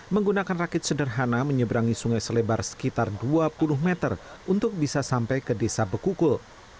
menggunakan rakit sederhana menyeberangi sungai selebar sekitar dua puluh meter untuk bisa sampai ke desa bekukul